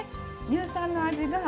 乳酸の味が。